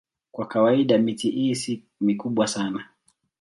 Kwa kawaida miti hii si mikubwa sana.